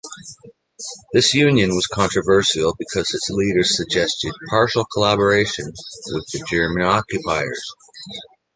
This Union was controversial because its leaders suggested partial collaboration with the German occupiers.